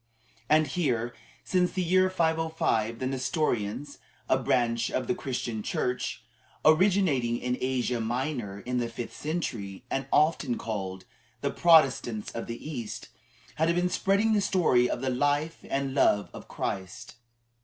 And here, since the year 505, the Nestorians, a branch of the Christian Church, originating in Asia Minor in the fifth century, and often called "the Protestants of the East," had been spreading the story of the life and love of Christ.